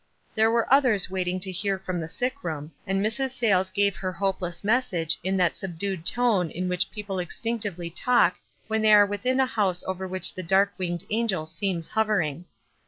There were others wait ing to hear from the sick room, and Mrs. Sayles gave her hopeless message in that subdued tone in which people instinctively talk when they are within a house over which the dark winged angel seems hovering.